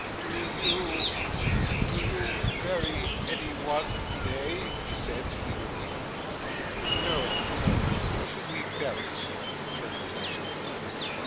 'Do you do you bury any one to day?' he said, eagerly. 'No, no! Who should we bury, Sir?' returned the sexton.